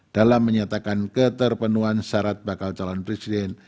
dalam menyatakan keterpenuhan syarat bakal calon presiden